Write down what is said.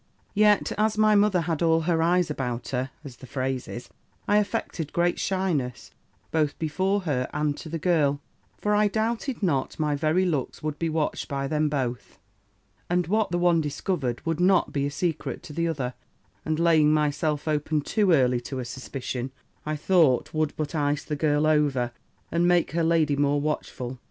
"Yet, as my mother had all her eyes about her, as the phrase is, I affected great shyness, both before her, and to the girl; for I doubted not, my very looks would be watched by them both; and what the one discovered would not be a secret to the other; and laying myself open too early to a suspicion, I thought, would but ice the girl over, and make her lady more watchful.